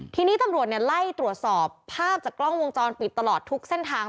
ทีนี้ตำรวจไล่ตรวจสอบภาพจากกล้องวงจรปิดตลอดทุกเส้นทาง